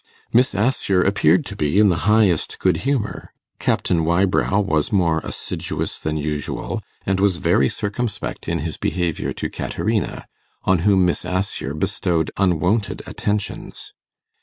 Miss Assher appeared to be in the highest good humour; Captain Wybrow was more assiduous than usual, and was very circumspect in his behaviour to Caterina, on whom Miss Assher bestowed unwonted attentions.